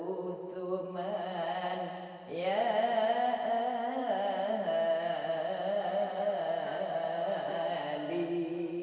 untuk menerima hal john comma